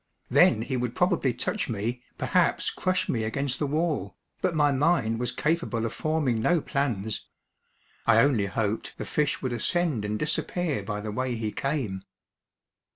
Then he would probably touch me, perhaps crush me against the wall, but my mind was capable of forming no plans. I only hoped the fish would ascend and disappear by the way he came.